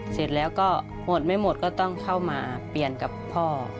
เสร็จแล้วก็หมดไม่หมดก็ต้องเข้ามาเปลี่ยนกับพ่อ